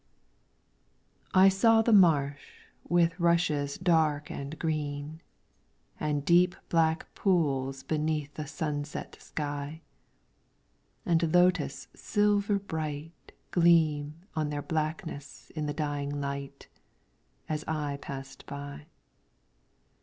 I SAW the marsh with rushes dank and green, And deep black pools beneath a sunset sky, And lotus silver bright Gleam on their blackness in the dying light, As I passed by.